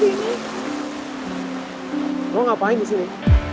finally mau nyamperin gue ke sini